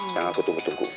yang aku tunggu tunggu